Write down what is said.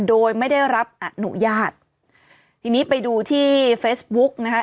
โดยไม่ได้รับอนุญาตทีนี้ไปดูที่เฟซบุ๊กนะคะ